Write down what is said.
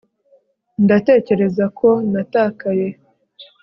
ndatekereza ko natakaye